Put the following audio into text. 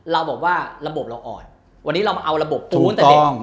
เราบอกว่าระบบเราอ่อนวันนี้เรามาเอาระบบทู้ตั้งแต่เด็ก